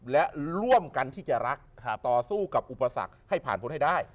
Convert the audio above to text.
และร่วมกันที่จะรักต่อสู้กับอุปสรรคให้ผ่านพ้นให้ได้